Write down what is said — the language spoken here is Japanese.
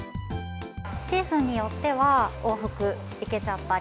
シーズンによっては、往復行けちゃったり。